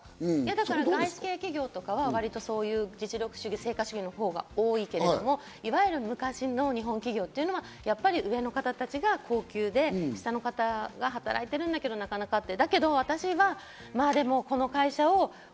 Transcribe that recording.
外資系企業とかは実力主義、成果主義のほうが多いけれども、いわゆる昔の日本企業というのは上の方たちが高給で、下の方たちが働いているんだけど、だけどなかなかという。